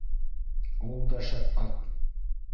Ул да шәп ат!